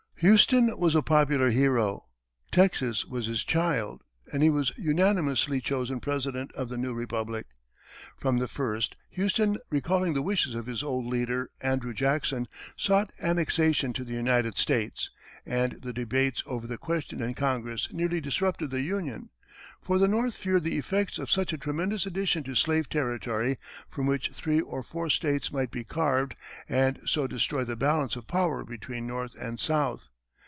Houston was a popular hero; Texas was his child, and he was unanimously chosen President of the new Republic. From the first, Houston, recalling the wishes of his old leader, Andrew Jackson, sought annexation to the United States, and the debates over the question in Congress nearly disrupted the Union. For the North feared the effects of such a tremendous addition to slave territory, from which three or four states might be carved, and so destroy the balance of power between North and South.